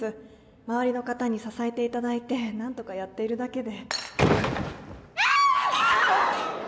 周りの方に支えていただいて何とかやっているだけで。